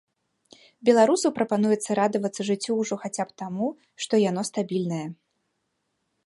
Беларусу прапануецца радавацца жыццю ўжо хаця б таму, што яно стабільнае.